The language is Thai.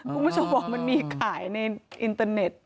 คุณผู้ชมบอกมันมีขายในอินเตอร์เน็ต